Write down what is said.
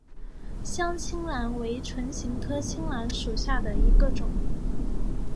香青兰为唇形科青兰属下的一个种。